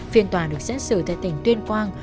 phiên tòa được xét xử tại tỉnh tuyên quang